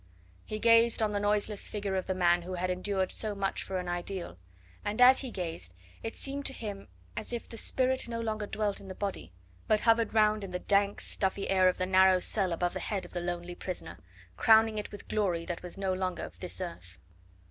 He gazed on the noiseless figure of the man who had endured so much for an ideal, and as he gazed it seemed to him as if the spirit no longer dwelt in the body, but hovered round in the dank, stuffy air of the narrow cell above the head of the lonely prisoner, crowning it with glory that was no longer of this earth.